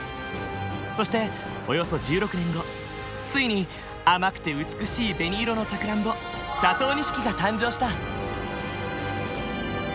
そしておよそ１６年後ついに甘くて美しい紅色のさくらんぼ佐藤錦が誕生した。